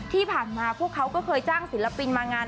ที่ผ่านมาพวกเขาก็เคยจ้างศิลปินมางาน